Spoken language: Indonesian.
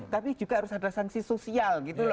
tapi juga harus ada sanksi sosial gitu loh